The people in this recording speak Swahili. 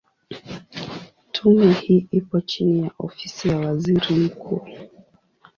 Tume hii ipo chini ya Ofisi ya Waziri Mkuu.